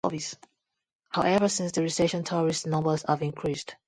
However, since the recession tourist numbers have increased.